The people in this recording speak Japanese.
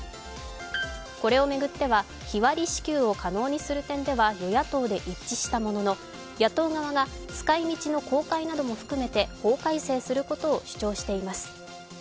これを巡っては、日割り支給を可能にする点では与野党で一致したものの野党側が使いみちの公開なども含めて法改正することを主張しています。